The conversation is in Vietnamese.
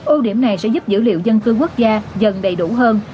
ưu điểm này sẽ giúp dữ liệu dân cư quốc gia dần đầy đủ hơn